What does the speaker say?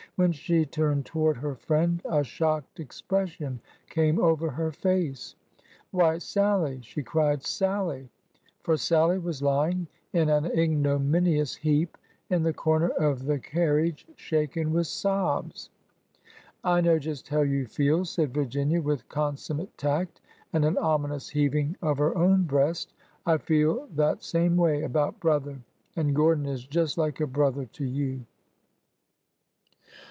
When she turned toward her friend, a shocked expression came over her face. " Why, Sallie !" she cried. " Sallie !" For Sallie was lying in an ignominious heap in the corner of the carriage, shaken with sobs. " I know just how you feel," said Virginia, with con summate tact, and an ominous heaving of her own breast. " I feel that same way about brother, and Gordon is just like a brother to you."